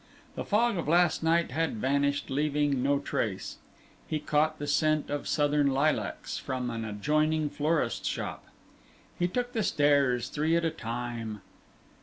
The fog of last night had vanished, leaving no trace. He caught the scent of Southern lilacs from an adjoining florist shop. He took the stairs three at a time.